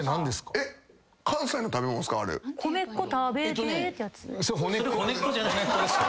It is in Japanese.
関西の食べ物ですか？